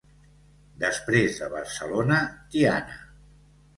Després de Barcelona, Tiana.